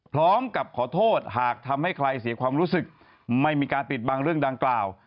พร้อมกับขอโทษหากทำให้ใครเสียความรู้สึกไม่มีการปิดบังเรื่องดังกล่าว